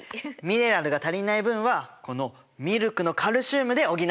ミネラルが足りない分はこのミルクのカルシウムで補うことにするよ。